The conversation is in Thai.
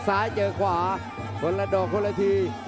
ซ้ายเจอขวาคนละดอกคนละที